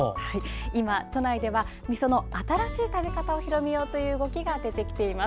今、都内ではみその新しい食べ方を広めようという動きが出てきています。